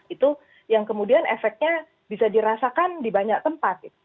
itu yang kemudian efeknya bisa dirasakan di banyak tempat